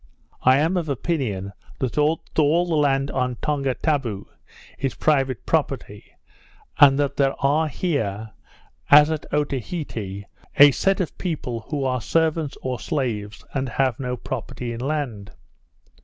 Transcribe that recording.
I am of opinion that all the land on. Tongatabu is private property, and that there are here, as at Otaheite, a set of people, who are servants or slaves, and have no property in land.